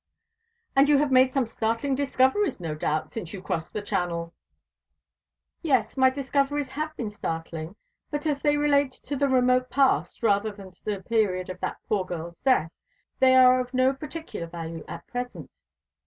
"And you have made some startling discoveries, no doubt, since you crossed the Channel?" "Yes, my discoveries have been startling; but as they relate to the remote past, rather than to the period of that poor girl's death, they are of no particular value at present."